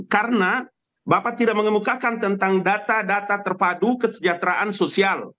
karena bapak tidak mengemukakan tentang data data terpadu kesejahteraan sosial